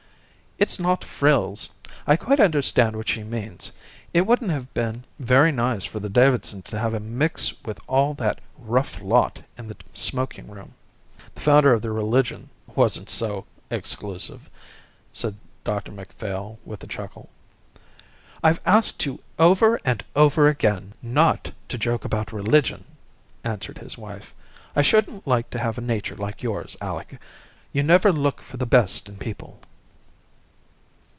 "It's not frills. I quite understand what she means. It wouldn't have been very nice for the Davidsons to have to mix with all that rough lot in the smoking room." "The founder of their religion wasn't so exclusive," said Dr Macphail with a chuckle. "I've asked you over and over again not to joke about religion," answered his wife. "I shouldn't like to have a nature like yours, Alec. You never look for the best in people."